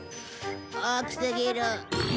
大きすぎる。